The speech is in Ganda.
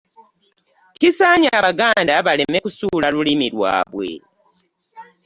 kisaanye Abaganda baleme kusuula lulimi lwabwe.